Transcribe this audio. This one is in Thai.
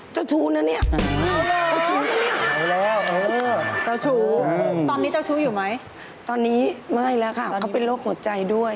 แล้วกับพี่อ้อเจอกันอย่างไร